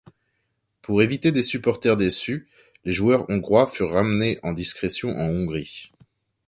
Pour éviter des supporters déçus, les joueurs hongrois furent ramenés en discrétion en Hongrie.